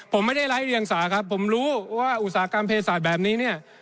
ผมไม่ได้ไร้เรียงสาครับผมรู้ว่าอุตสาหกรรมเพศศาสตร์แบบนี้เนี่ย